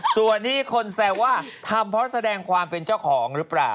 ส่วนที่คนแซวว่าทำเพราะแสดงความเป็นเจ้าของหรือเปล่า